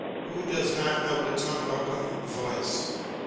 who does not know its unwelcome voice?